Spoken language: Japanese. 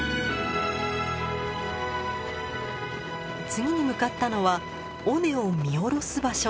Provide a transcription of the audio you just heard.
次に向かったのは尾根を見下ろす場所。